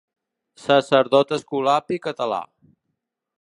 Sacerdot escolapi català.